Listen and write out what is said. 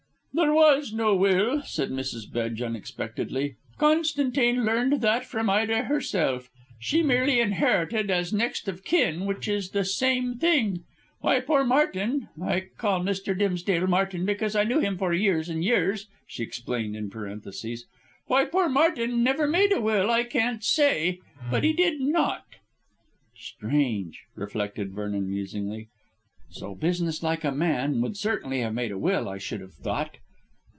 "There was no will," said Mrs. Bedge unexpectedly. "Constantine learned that from Ida herself. She merely inherited as next of kin, which is the same thing. Why poor Martin I call Mr. Dimsdale, Martin, because I knew him for years and years," she explained in parentheses "why poor Martin never made a will I can't say, but he did not." "Strange," reflected Vernon musingly; "so business like a man would certainly have made a will, I should have thought.